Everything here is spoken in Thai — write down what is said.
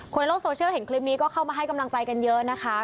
ในโลกโซเชียลเห็นคลิปนี้ก็เข้ามาให้กำลังใจกันเยอะนะคะ